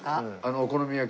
お好み焼き？